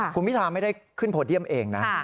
คุณพิธาไม่ได้ขึ้นโพเดียมเองนะ